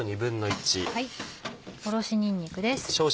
おろしにんにくです。